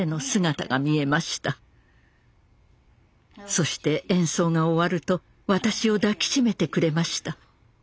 そして演奏が終わると私を抱き締めてくれました。